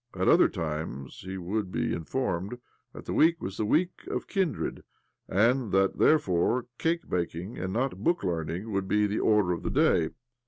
At other times he would be informed that that week was thte Week of Kindred,! and that therefore cake baking, and not book learning, would be the order of the day.